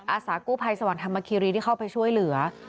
อาสากู้ภัยสวรรธรรมคีรีที่เข้าไปช่วยเหลือ